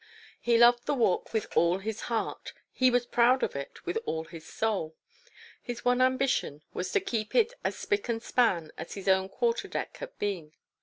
He loved the Walk with all his heart; he was proud of it with all his soul. His one ambition was to keep it as spick and span as his own quarterdeck had been.